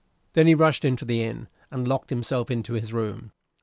Then he rushed into the inn, and locked himself into his room.